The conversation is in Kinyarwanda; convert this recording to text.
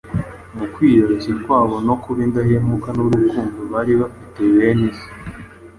Mu kwiyoroshya kwabo no kuba indahemuka n’urukundo bari bafitiye bene se